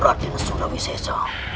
rakyatnya sudah bisa